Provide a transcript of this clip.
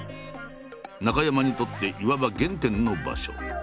中山にとっていわば原点の場所。